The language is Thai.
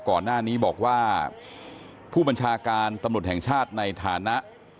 ก่อนหน้านี้บอกว่าผู้บัญชาการตำรวจแห่งชาติในฐานะ